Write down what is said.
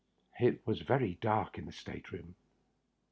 It was very dark in the state room.